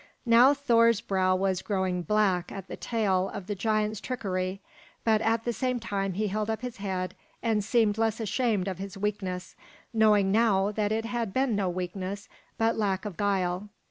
Now Thor's brow was growing black at this tale of the giant's trickery, but at the same time he held up his head and seemed less ashamed of his weakness, knowing now that it had been no weakness, but lack of guile.